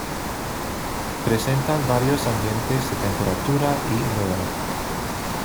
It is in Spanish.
Presentan varios ambientes de temperatura y humedad.